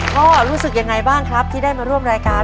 รู้สึกยังไงบ้างครับที่ได้มาร่วมรายการ